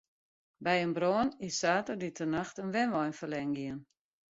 By in brân is saterdeitenacht in wenwein ferlern gien.